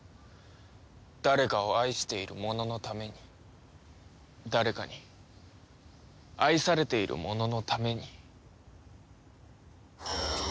誰かを愛している者のために誰かに愛されている者のために。